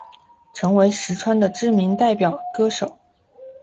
成为实川的知名代表歌曲。